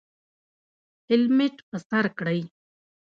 هیلمټ په سر کړئ